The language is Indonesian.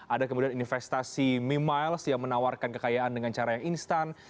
ada kemudian investasi mimiles yang menawarkan kekayaan dengan cara yang instan